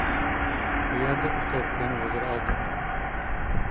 بۇ يەردە ئۇقۇپ يەنە ھۇزۇر ئالدۇق.